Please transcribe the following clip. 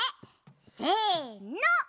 せの！